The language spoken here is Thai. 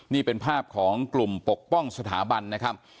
นี่เป็นภาพของกลุ่มปกป้องสถาบันนะครับ